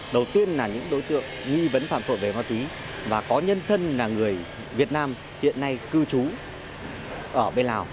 đầu tiên là những đối tượng nghi vấn phản phẩm về hoa túy và có nhân thân là người việt nam hiện nay cư trú ở bên lào